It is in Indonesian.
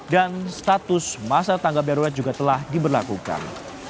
dan status masa tangga barulat juga telah diberlakukan